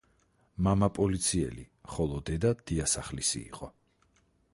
მამა პოლიციელი, ხოლო დედა დიასახლისი იყო.